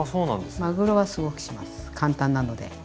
まぐろはすごくします簡単なので。